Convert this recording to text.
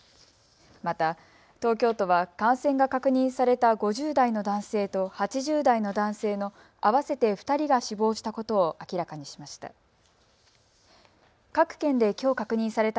また、東京都は感染が確認された５０代の男性と８０代の男性の合わせて２人が死亡したことを明らかにしました。